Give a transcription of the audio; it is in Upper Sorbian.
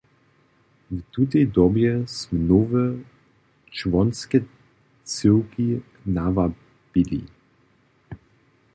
W tutej dobje smy nowe čłonske cyłki nawabili.